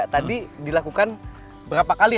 tadi dilakukan berapa kali